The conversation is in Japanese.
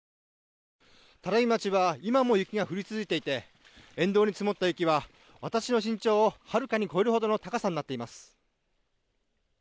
只見町は今も雪が降り続いていて沿道に積もった雪は私の身長をはるかに超えるほどの高さになっています。